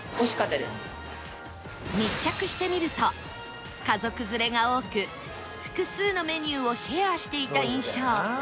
密着してみると家族連れが多く複数のメニューをシェアしていた印象